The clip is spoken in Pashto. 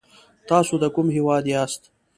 تاسو د کوم هېواد یاست ؟